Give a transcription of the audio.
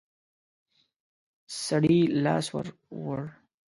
سړي لاس ور ووړ.